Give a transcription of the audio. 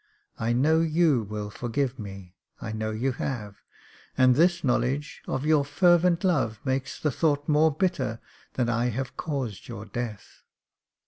I know you will forgive me — I know you have — and this knowledge of your fervent love makes the thought more bitter that I have caused your death.